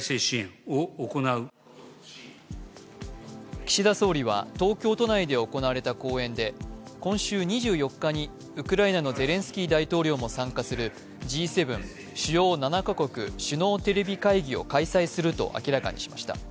岸田総理は東京都内で行われた講演で今週２４日にウクライナのゼレンスキー大統領も参加するＧ７＝主要７か国首脳テレビ会議を開催すると明らかにしました。